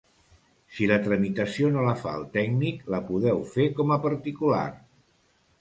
Si la tramitació no la fa el tècnic, la podeu fer com a particular.